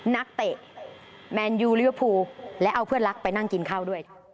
นักเตะแมนยูลิเวอร์พูลและเอาเพื่อนรักไปนั่งกินข้าวด้วย